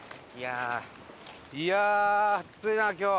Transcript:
いや暑いな今日。